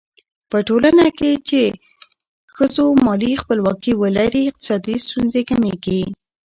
په ټولنه کې چې ښځو مالي خپلواکي ولري، اقتصادي ستونزې کمېږي.